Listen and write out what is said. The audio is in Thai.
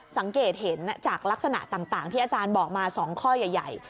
สังเกตเห็นจากลักษณะต่างที่อาจารย์บอกมา๒ข้อใหญ่